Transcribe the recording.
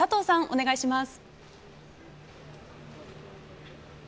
お願いします。